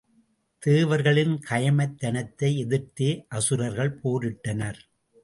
தேவர்களின் கயமைத் தனத்தை எதிர்த்தே அசுரர்கள் போரிட்டனர்.